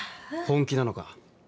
本気なのか？